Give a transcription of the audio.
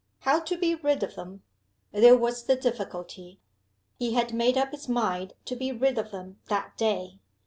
How to be rid of them? There was the difficulty. He had made up his mind to be rid of them that day.